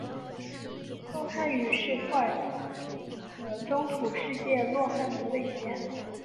洛汗语是托尔金的中土世界洛汗国的语言。